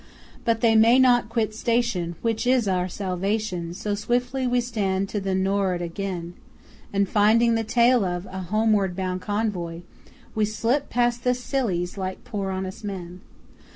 But they may not quit station (Which is our salvation), So swiftly we stand to the Nor'ard again; And finding the tail of A homeward bound convoy, We slip past the Scillies like poor honest men.